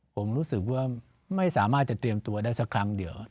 ผมรู้สึกว่าไม่สามารถจะเตรียมตัวได้สักครั้งเดียว